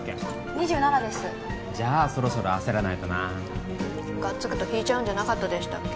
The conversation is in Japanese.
２７ですじゃあそろそろ焦らないとながっつくと引いちゃうんじゃなかったでしたっけ？